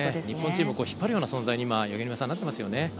日本チームを引っ張るような存在に八木沼さん、なっていますよね。